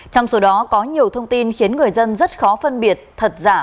trong số đó có nhiều thông tin khiến người dân rất khó phân biệt thật giả